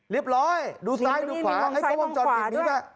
เรียบร้อยดูซ้ายดูขวาให้ก้องจอดอีกนิดนึง